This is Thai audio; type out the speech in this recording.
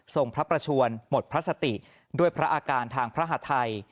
พระประชวนหมดพลาสติด้วยพระอาการทางพระหาทัย